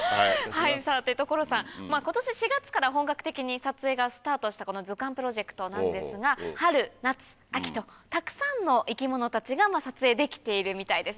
さて所さん今年４月から本格的に撮影がスタートしたこの図鑑プロジェクトなんですが春夏秋とたくさんの生き物たちが撮影できているみたいです。